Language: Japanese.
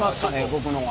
僕のは。